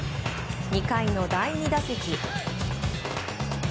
２回の第２打席。